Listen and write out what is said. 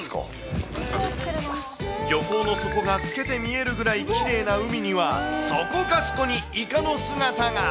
漁港の底が透けて見えるぐらいきれいな海には、そこかしこにイカの姿が。